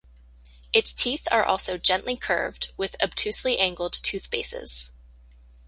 Its teeth are also gently curved, with obtusely-angled tooth bases.